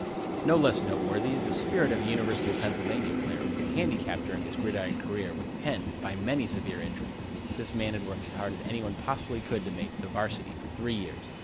No less noteworthy is the spirit of a University of Pennsylvania player, who was handicapped during his gridiron career with Penn' by many severe injuries. This man had worked as hard as any one possibly could to make the varsity for three years.